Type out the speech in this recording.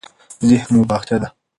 ذهن مو باغچه ده.